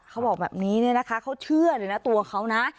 เขาบอกแบบนี้เนี่ยนะคะเขาเชื่อเลยนะตัวเขานะ